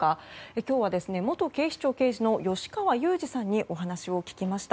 今日は元警視庁刑事の吉川祐二さんにお話を聞きました。